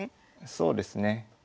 そうですね。